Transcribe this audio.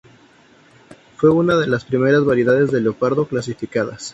Fue una de las primeras variedades de leopardo clasificadas.